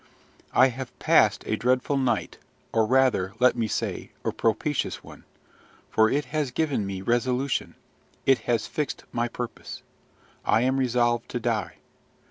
I have passed a dreadful night or rather, let me say, a propitious one; for it has given me resolution, it has fixed my purpose. I am resolved to die.